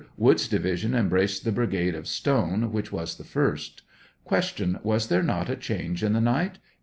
Woods' division embraced the brigade of Stone, which was the first. Q. Was there not a change in the night